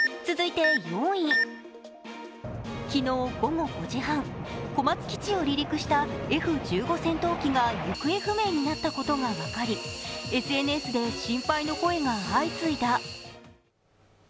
昨日午後５時半、小松基地を離陸したＦ１５戦闘機が行方不明になったことが分かり、ＳＮＳで心配の声が相次いだ。